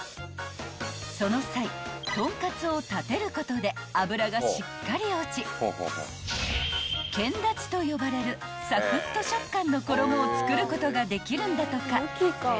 ［その際とんかつを立てることで油がしっかり落ち剣立ちと呼ばれるサクッと食感の衣を作ることができるんだとか］